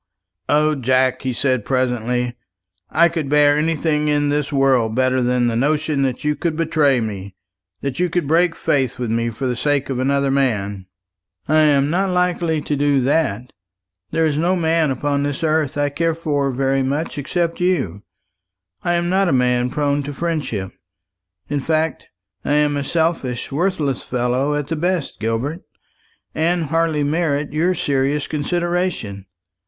"O Jack," he said presently, "I could bear anything in this world better than the notion that you could betray me that you could break faith with me for the sake of another man." "I am not likely to do that. There is no man upon this earth I care for very much except you. I am not a man prone to friendship. In fact, I am a selfish worthless fellow at the best, Gilbert, and hardly merit your serious consideration.